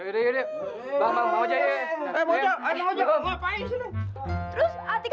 eh bang bajaj